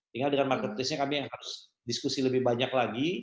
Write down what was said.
tinggal dengan marketer testernya kami yang harus diskusi lebih banyak lagi